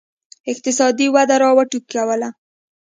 اقتصادي وده را وټوکول.